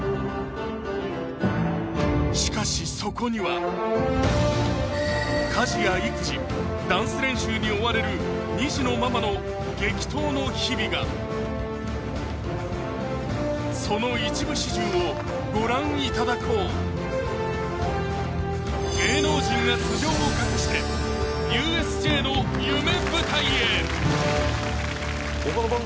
しかしそこには家事や育児ダンス練習に追われる２児のママの激闘の日々がその一部始終をご覧いただこう芸能人が素性を隠してＵＳＪの夢舞台へ！